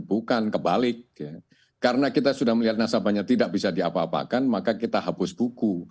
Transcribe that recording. bukan kebalik karena kita sudah melihat nasabahnya tidak bisa diapa apakan maka kita hapus buku